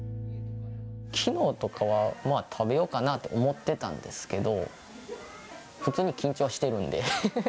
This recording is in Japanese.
きのうとかは、まあ、食べようかなと思ってたんですけど、普通に緊張しているんで。